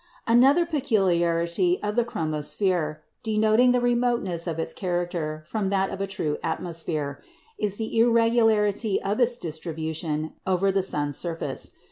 Another peculiarity of the chromosphere, denoting the remoteness of its character from that of a true atmosphere, is the irregularity of its distribution over the sun's surface.